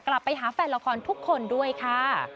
กลับไปหาแฟนละครทุกคนด้วยค่ะ